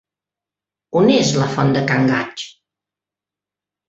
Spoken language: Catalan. On és la font de Can Gaig?